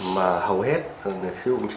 mà hầu hết trên siêu âm tim